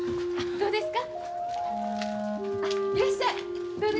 どうですか？